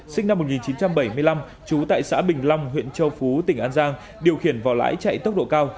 sinh năm một nghìn chín trăm bảy mươi năm trú tại xã bình long huyện châu phú tỉnh an giang điều khiển vỏ lãi chạy tốc độ cao